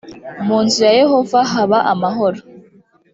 mu nzu ya yehova haba amahoro